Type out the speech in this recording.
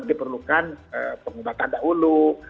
diperlukan pengubatan dahulu